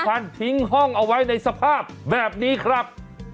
คันทิ้งห้องเอาไว้ในสภาพแบบนี้ครับ